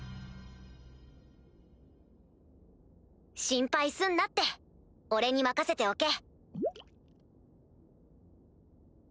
心配すんなって俺に任せておけ。